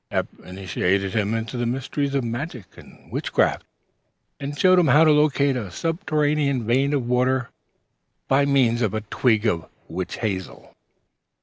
Eph initiated him into the mysteries of magic and witchcraft, and showed him how to locate a subterranean vein of water by means of a twig of witch hazel.